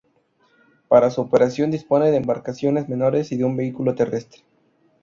Para su operación dispone de embarcaciones menores y de un vehículo terrestre.